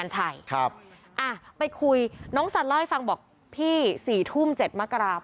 ให้ฟังบอกพี่๔ทุ่ม๗มากราฟ